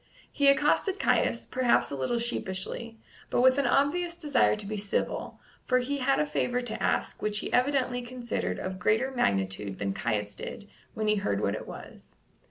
He accosted Caius, perhaps a little sheepishly, but with an obvious desire to be civil, for he had a favour to ask which he evidently considered of greater magnitude than Caius did when he heard what it was.